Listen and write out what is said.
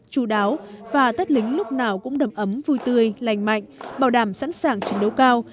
chú đáo và tất lính lúc nào cũng đầm ấm vui tươi lành mạnh bảo đảm sẵn sàng chiến đấu cao